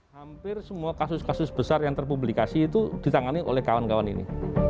hampir semua kasus kasus besar yang terpublikasi itu ditangani oleh kawan kawan ini